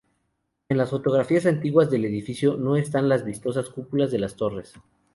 En las fotografías antiguas del edificio no están las vistosas cúpulas de las torres.